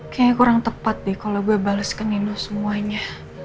kayaknya kurang tepat deh kalau gue bales ke nino semuanya